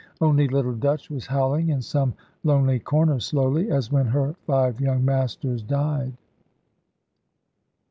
Only little Dutch was howling in some lonely corner slowly, as when her five young masters died.